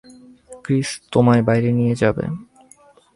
Chris তোমায় বাইরে নিয়ে যাবে।